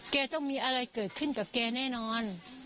แกต้องมีอะไรเกิดขึ้นกับแกแน่นอน